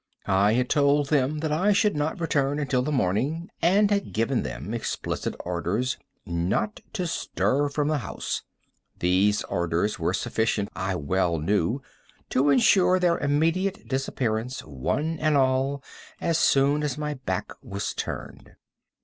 I had told them that I should not return until the morning, and had given them explicit orders not to stir from the house. These orders were sufficient, I well knew, to insure their immediate disappearance, one and all, as soon as my back was turned.